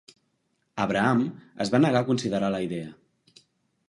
Abraham es va negar a considerar la idea.